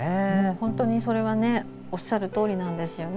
本当にそれはおっしゃるとおりなんですよね。